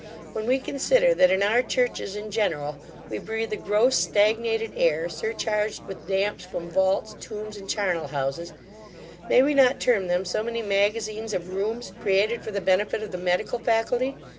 When we consider, that in our churches, in general, we breathe a gross stagnated air, surcharged with damps from vaults, tombs, and charnel houses, may we not term them so many magazines of rheums, created for the benefit of the medical faculty?